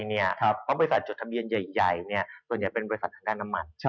เพราะบริษัทจดทะเบียนใหญ่ส่วนใหญ่เป็นบริษัททางด้านน้ำมัน